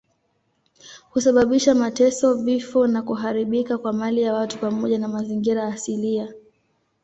Husababisha mateso, vifo na kuharibika kwa mali ya watu pamoja na mazingira asilia.